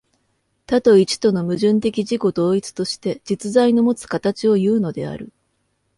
多と一との矛盾的自己同一として、実在のもつ形をいうのである。